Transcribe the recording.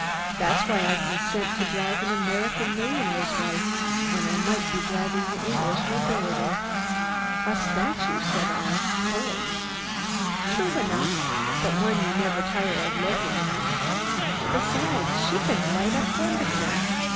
That's why I consent to drive an American millionaire's wife when I might be driving the English nobility." "A statue!" said I; "cold!" "True enough, but one you never tire of looking at. Besides, she can light up wonderfully.